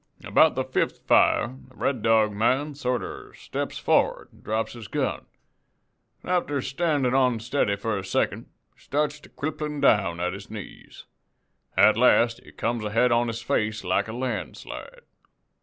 "About the fifth fire the Red Dog man sorter steps for'ard an' drops his gun; an' after standin' onsteady for a second, he starts to cripplin' down at his knees. At last he comes ahead on his face like a landslide.